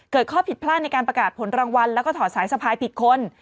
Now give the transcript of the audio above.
ข้อผิดพลาดในการประกาศผลรางวัลแล้วก็ถอดสายสะพายผิดคน